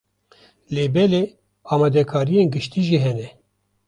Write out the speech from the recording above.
Lê belê, amadekariyên giştî jî hene.